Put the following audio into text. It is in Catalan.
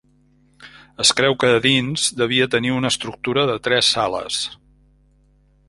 Es creu que a dins devia tenir una estructura de tres sales.